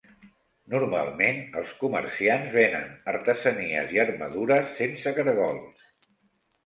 Normalment, els comerciants venen artesanies i armadures sense caragols.